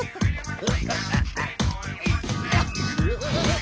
お？